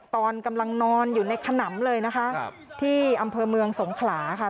ตอนกำลังนอนอยู่ในขนำเลยนะคะที่อำเภอเมืองสงขลาค่ะ